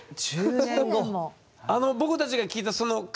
僕たちが聞いたその会？